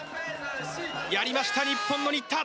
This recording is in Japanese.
やりました日本の新田！